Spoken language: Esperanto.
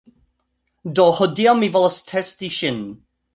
Do, hodiaŭ mi volas testi ŝin